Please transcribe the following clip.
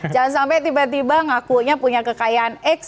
jangan sampai tiba tiba ngakunya punya kekayaan x